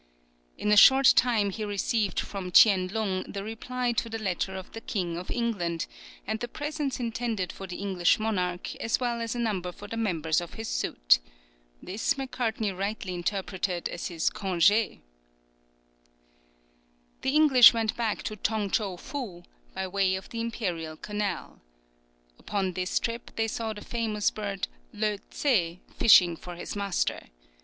In a short time he received from Tchien Lung the reply to the letter of the King of England, and the presents intended for the English monarch, as well as a number for the members of his suite. This Macartney rightly interpreted as his congé! The English went back to Tong Chou Fou by way of the imperial canal. Upon this trip they saw the famous bird "Leutzé," fishing for its master.